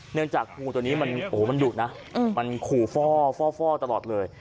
เนื่องจากงูตัวนี้มันดุนะมันขู่ฟ่อฟ่อฟ่อตลอดเลย